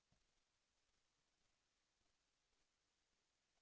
เพราะว่าปีแก้วนางหงก็กลายออนแอร์แล้วด้วยค่ะ